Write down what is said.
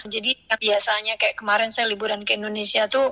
jadi biasanya kayak kemarin saya liburan ke indonesia